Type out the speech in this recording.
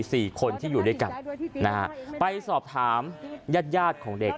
สี่คนที่อยู่ด้วยกันนะฮะไปสอบถามญาติญาติของเด็ก